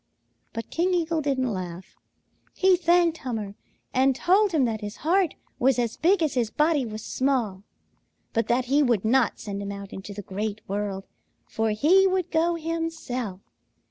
But King Eagle didn't laugh. He thanked Hummer and told him that his heart was as big as his body was small, but that he would not send him out into the Great World, for he would go himself.